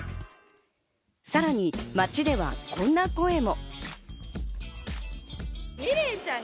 さらに街ではこんな声も。